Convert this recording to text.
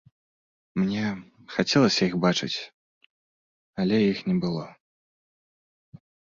Мне хацелася іх бачыць, але іх не было.